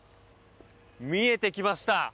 見えてきました。